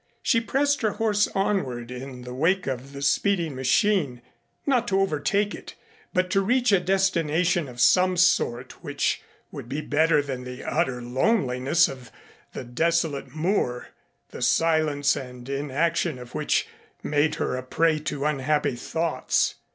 She pressed her horse onward in the wake of the speeding machine, not to overtake it, but to reach a destination of some sort which would be better than the utter loneliness of the desolate moor, the silence and inaction of which made her a prey to unhappy thoughts.